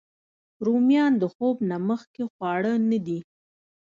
رومیان د خوب نه مخکې خواړه نه دي